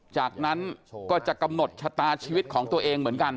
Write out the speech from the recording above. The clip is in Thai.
จากนั้นก็จะกำหนดชะตาชีวิตของตัวเองเหมือนกัน